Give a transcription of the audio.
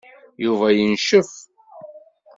Yuba yencef.